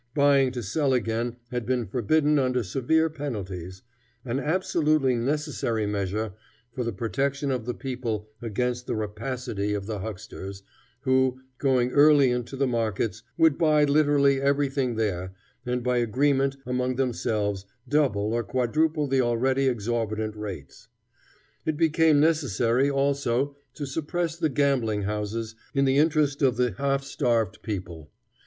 Buying to sell again had been forbidden under severe penalties, an absolutely necessary measure for the protection of the people against the rapacity of the hucksters, who, going early into the markets, would buy literally everything there, and by agreement among themselves double or quadruple the already exorbitant rates. It became necessary also to suppress the gambling houses in the interest of the half starved people.